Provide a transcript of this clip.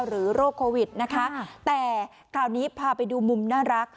โรคโควิดนะคะแต่คราวนี้พาไปดูมุมน่ารัก